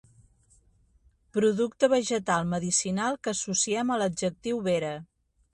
Producte vegetal medicinal que associem a l'adjectiu vera.